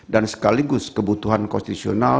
dan sekaligus kebutuhan konstitusional